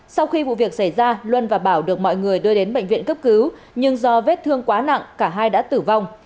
sau khi vụ việc xảy ra luân và bảo được mọi người đưa đến bệnh viện cấp cứu nhưng do vết thương quá nặng cả hai đã tử vong